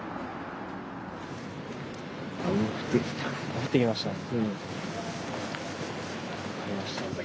降ってきましたね。